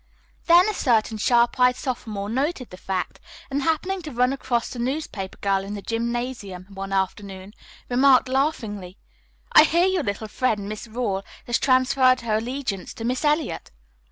Then a certain sharp eyed sophomore noted the fact and, happening to run across the newspaper girl in the gymnasium one afternoon, remarked laughingly, "I hear your little friend, Miss Rawle, has transferred her allegiance to Miss Eliot."